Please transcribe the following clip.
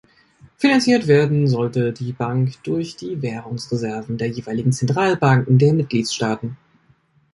Finanziert werden sollte die Bank durch die Währungsreserven der jeweiligen Zentralbanken der Mitgliedsstaaten.